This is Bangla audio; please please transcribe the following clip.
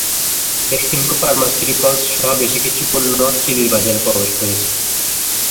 বেক্সিমকো ফার্মাসিউটিক্যালস সহ বেশি কিছু পণ্য চিলির বাজারে প্রবেশ করেছে।